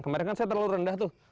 kemarin kan saya terlalu rendah tuh